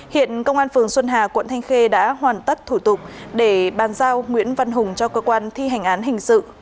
hiện công an phường xuân hà quận thanh khê đã hoàn tất thủ tục để bàn giao nguyễn văn hùng cho cơ quan thi hành án hình sự